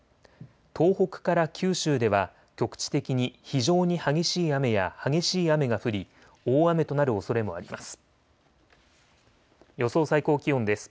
東北から九州では局地的に非常に激しい雨や激しい雨が降り大雨となるおそれもあります。